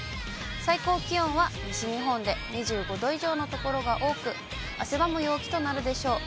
最高気温は西日本で２５度以上の所が多く、汗ばむ陽気となるでしょう。